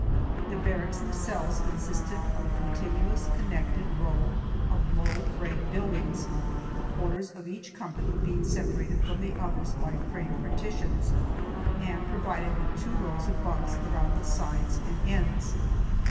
The barracks themselves consisted of a continuous connected row of low frame buildings, the quarters of each company being separated from the others by frame partitions, and provided with two rows of bunks around the sides and ends.